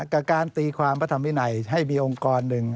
กับการตีความพระธรรมวินัยให้มีองค์กรหนึ่ง